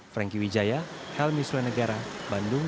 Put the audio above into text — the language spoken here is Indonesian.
franky wijaya helmi sule negara bandung